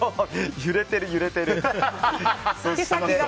揺れてる、揺れてる。